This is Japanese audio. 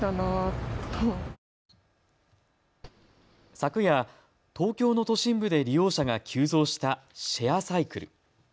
昨夜、東京の都心部で利用者が急増したシェアサイクル。